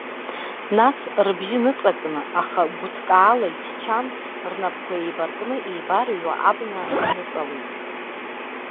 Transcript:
Нас, рыбжьы ныҵакны, аха гәыҭкаала иччан, рнапқәа еибаркны, еибарыҩуа абна иныҵалеит.